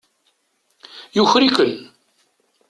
Yuker-iken.